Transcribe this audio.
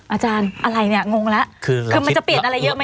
อาจารย์อะไรเนี่ยงงแล้วคือมันจะเปลี่ยนอะไรเยอะไหม